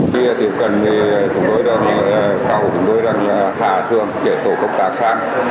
khi tiếp cận thì tổng đối là khả thương chế tổ công tác khác